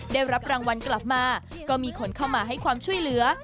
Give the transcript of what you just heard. ได้รับรางวัลกลับมาก็มีคนเข้ามาให้ความช่วยเหลือ